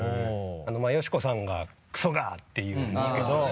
よしこさんが「クソが！」って言うんですけど。